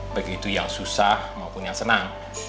begitu yang susah maupun yang senang